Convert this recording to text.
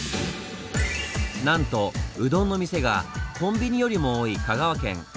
なんとうどんの店がコンビニよりも多い香川県。